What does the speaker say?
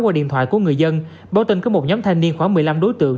qua điện thoại của người dân báo tin có một nhóm thanh niên khoảng một mươi năm đối tượng